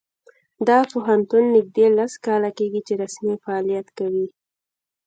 دا پوهنتون نږدې لس کاله کیږي چې رسمي فعالیت کوي